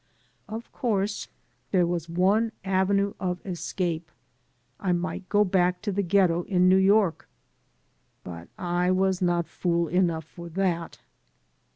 Of course, there was one avenue of escape — ^I might go back to the Ghetto in New York; but I was not fool enough for that.